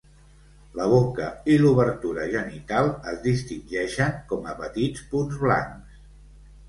La boca i l'obertura genital es distingeixen com a petits punts blancs.